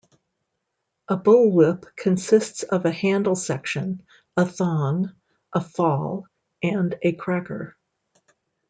A bullwhip consists of a handle section, a "thong", a "fall", and a "cracker".